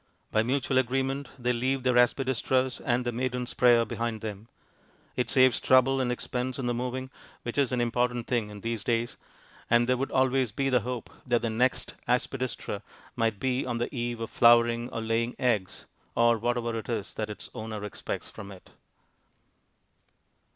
By mutual agreement they leave their aspidistras and their "Maiden's Prayer" behind them. It saves trouble and expense in the moving, which is an important thing in these days, and there would always be the hope that the next aspidistra might be on the eve of flowering or laying eggs, or whatever it is that its owner expects from it.